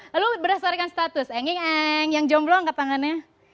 lalu berdasarkan status yang jomblo angkat tangannya